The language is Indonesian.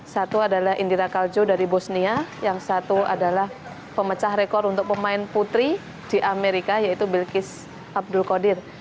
satu adalah indira kaljo dari bosnia yang satu adalah pemecah rekor untuk pemain putri di amerika yaitu bilkis abdul qadir